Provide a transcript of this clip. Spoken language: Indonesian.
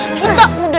kita udah menyerah